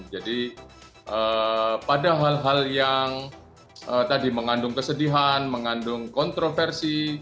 jadi pada hal hal yang tadi mengandung kesedihan mengandung kontroversi